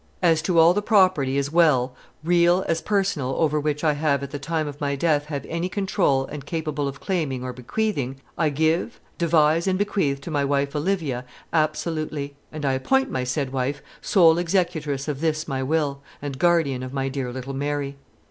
... As to all the property as well real as personal over which I may at the time of my death have any control and capable of claiming or bequeathing I give devise and bequeath to my wife Olivia absolutely And I appoint my said wife sole executrix of this my will and guardian of my dear little Mary."